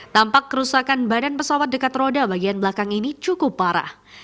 tampak kerusakan badan pesawat dekat roda bagian belakang ini cukup parah